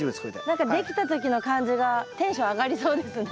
何かできた時の感じがテンション上がりそうですね。